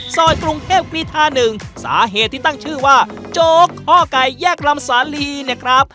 ซอยกรุงเทพกรีธา๑สาเหตุที่ตั้งชื่อว่าโจ๊กข้อไก่แยกลำสาลีเนี่ยครับ